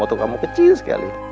itu kamu kecil sekali